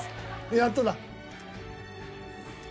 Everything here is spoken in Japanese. やっとだ。